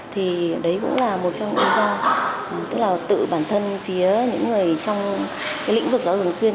thì đấy cũng là một trong những lý do tức là tự bản thân phía những người trong lĩnh vực giáo dục thường xuyên